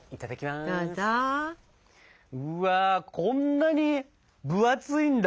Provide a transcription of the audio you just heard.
うわこんなに分厚いんだ！